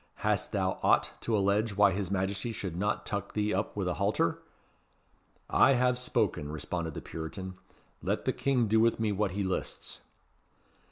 Hast thou aught to allege why his Majesty should not tuck thee up with a halter?" "I have spoken," responded the Puritan; "let the King do with me what he lists."